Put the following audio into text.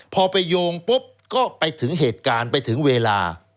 พอไปโยงปุ๊บก็ไปถึงเหตุการณ์ไปถึงเวลา